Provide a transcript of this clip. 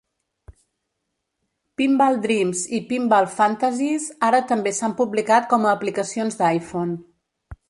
"Pinball Dreams" i "Pinball Fantasies" ara també s'han publicat com aplicacions d'iPhone.